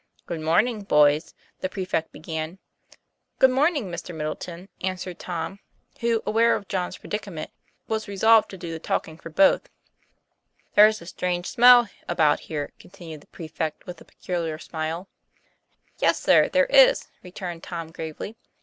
"Good morning, boys," the prefect began. "Good morning, Mr. Middleton," answered Tom, Who, aware of John's predicament, was resolved to do the talking for both. TOM PLAYFAIR. 87 "There's a strange smell about here," continued the prefect, with a peculiar smiie. "Yes, sir, there is," returned Tom gravely.